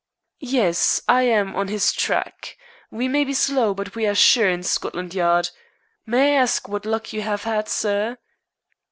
"Yes. I am on his track. We may be slow, but we are sure in Scotland Yard. May I ask what luck you have had, sir?"